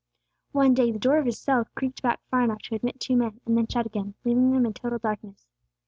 One day the door of his cell creaked back far enough to admit two men, and then shut again, leaving them in total darkness.